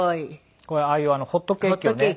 これああいうホットケーキをね